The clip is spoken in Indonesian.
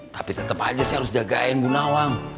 tapi tetep aja saya harus jagain bu nawang